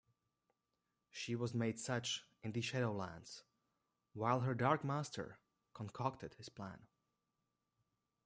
She was made such in the Shadowlands, while her dark Master concocted his plan.